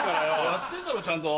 やってんだろちゃんと。